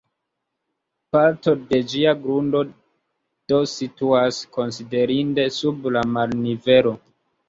Parto de ĝia grundo do situas konsiderinde sub la marnivelo.